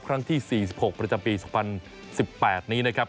ครั้งที่๔๖ประจำปี๒๐๑๘นี้นะครับ